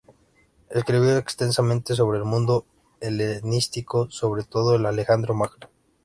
Escribió extensamente sobre el mundo helenístico, sobre todo de Alejandro Magno.